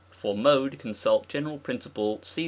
For Mode, consult general principle (§133).